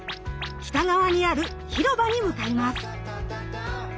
北側にある広場に向かいます。